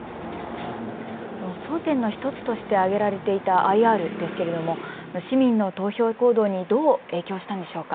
争点の１つとして挙げられていたＩＲですけれども市民の投票行動にどう影響したんでしょうか。